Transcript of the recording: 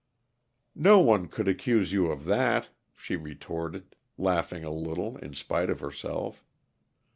"No one could accuse you of that," she retorted, laughing a little in spite of herself.